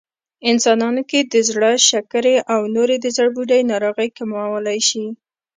انسانانو کې د زړه، شکرې او نورې د زړبوډۍ ناروغۍ کمولی شي